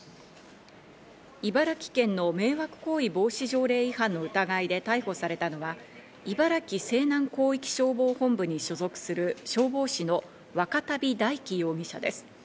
茨城県の迷惑行為防止条例違反の疑いで逮捕されたのは、茨城西南広域消防本部に所属する消防士の若旅大貴容疑者です。